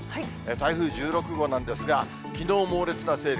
台風１６号なんですが、きのう、猛烈な勢力。